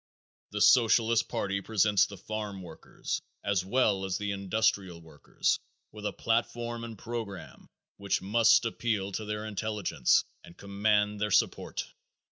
The Socialist party presents the farm workers as well as the industrial workers with a platform and program which must appeal to their intelligence and command their support.